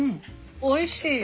おいしいよ！